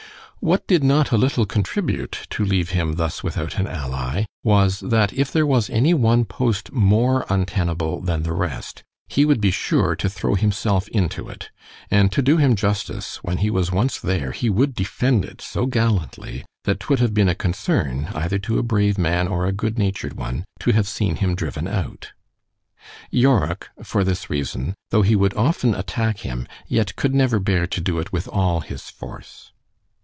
What did not a little contribute to leave him thus without an ally, was, that if there was any one post more untenable than the rest, he would be sure to throw himself into it; and to do him justice, when he was once there, he would defend it so gallantly, that 'twould have been a concern, either to a brave man or a good natured one, to have seen him driven out. Yorick, for this reason, though he would often attack him—yet could never bear to do it with all his force.